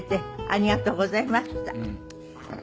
ありがとうございます。